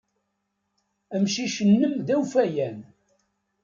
Amcic-nnem d awfayan.